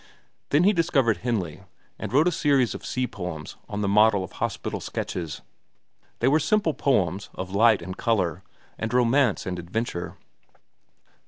Then he discovered Henley and wrote a series of sea poems on the model of "Hospital Sketches." They were simple poems, of light and color, and romance and adventure.